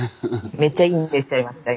めっちゃ「いいね」しちゃいました今。